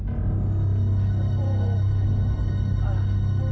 ambil kata dari principal itu ya